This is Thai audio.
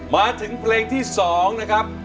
มาถึงเพลงที่๒นะครับ